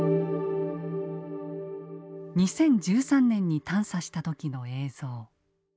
２０１３年に探査した時の映像。